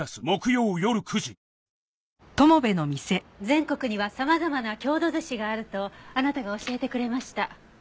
全国には様々な郷土寿司があるとあなたが教えてくれました。